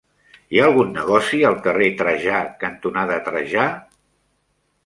Hi ha algun negoci al carrer Trajà cantonada Trajà?